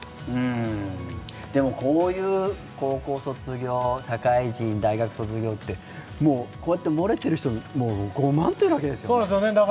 でもこういう高校卒業社会人、大学卒業ってこうやってもれてる人、ごまんといるわけですよね。